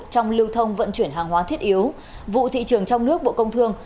trong lưu thông vận chuyển hàng hóa thiết yếu vụ thị trường trong nước bộ công thương